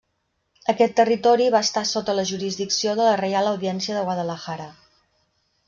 Aquest territori va estar sota la jurisdicció de la Reial Audiència de Guadalajara.